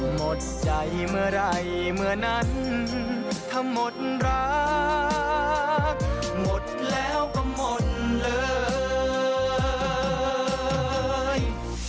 หมดใจเมื่อไหร่เมื่อนั้นถ้าหมดรักหมดแล้วก็หมดเลย